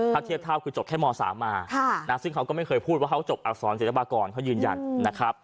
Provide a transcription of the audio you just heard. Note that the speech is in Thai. ถ้าเทียบเท่าคือจบแค่ม๓มาซึ่งเขาก็ไม่เคยพูดว่าเขาจบอักษรศิลปากรเขายืนยันนะครับ